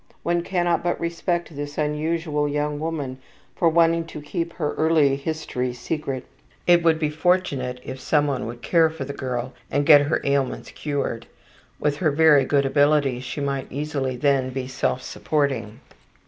One cannot but respect this unusual young woman for wanting to keep her early history secret. It would be fortunate if some one would care for the girl and get her ailments cured. With her very good ability she might easily then be self supporting.''